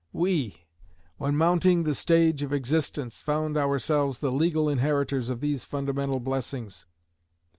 We, when mounting the stage of existence, found ourselves the legal inheritors of these fundamental blessings.